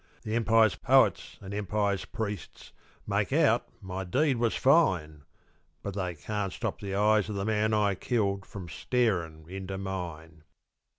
The Empire's poets and Empire's priests Make out my deed was fine, But they can't stop the eyes of the man I killed From starin' into mine.